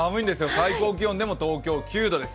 最高気温でも東京９度です。